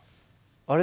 あれ？